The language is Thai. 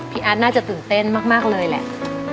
อาร์ตน่าจะตื่นเต้นมากเลยแหละ